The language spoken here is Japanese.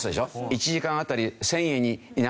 １時間当たり１０００円になったぐらい。